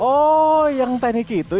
oh yang teniki itu ya